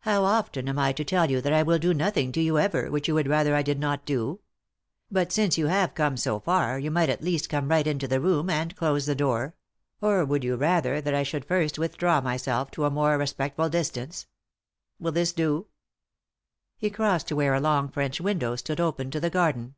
How often am I to tell you that I will do nothing to you, ever, which you would rather I did not do ? But, since yon have come so far, you might at least come right into the room, and close the door. Or would you rather that I should first withdraw myself to a more respect ful distance ? Will this do ?" He crossed to where a long French window stood open to the garden.